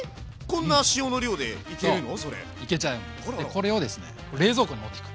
これをですね冷蔵庫に持っていく。